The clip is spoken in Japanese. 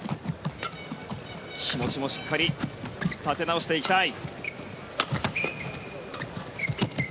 気持ちもしっかり立て直していきたい。